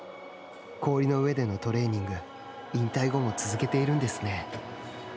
氷の上でのトレーニング引退後も続けているんですね。